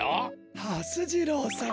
はす次郎さん